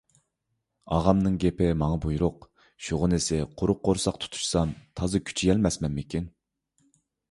ئاغامنىڭ گېپى ماڭا بۇيرۇق. شۇغىنىسى، قۇرۇق قورساق تۇتۇشسام تازا كۈچىيەلمەسمەنمىكىن.